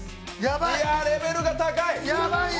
いや、レベルが高い！